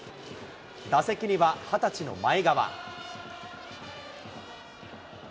打席には、２０歳の前川。